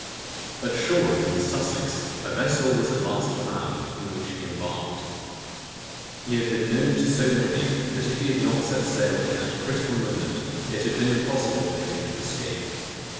At Shoreham, in Sussex, a vessel was at last found, in which he embarked. He had been known to so many, that if he had not set sail in that critical moment, it had been impossible for him to escape.